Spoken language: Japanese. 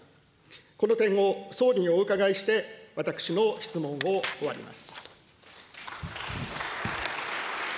この点を総理にお伺いして、私の質問を終わります。